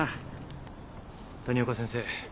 谷岡先生